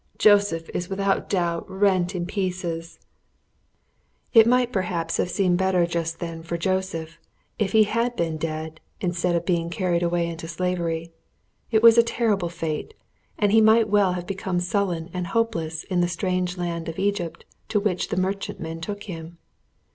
Joseph is without doubt rent in pieces!" [Illustration: He was tied to the saddle of the man who had bought him.] It might perhaps have seemed better just then for Joseph if he had been dead instead of being carried away into slavery. It was a terrible fate, and he might well have become sullen and hopeless in the strange land of Egypt to which the merchantmen took him.